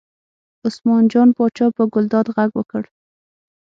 عثمان جان پاچا په ګلداد غږ وکړ.